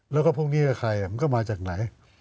แล้วก็พวกนี้กับใครมันก็มาจากไหน